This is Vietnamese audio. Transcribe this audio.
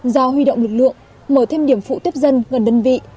do huy động lực lượng mở thêm điểm phụ tiếp dân gần đơn vị